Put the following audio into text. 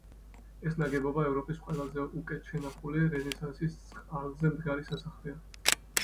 ეს ნაგებობა ევროპის ყველაზე უკეთ შენახული რენესანსის წყალზე მდგარი სასახლეა.